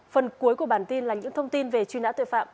phần cuối của bản tin là những thông tin về chuyên ả tuyệt phạm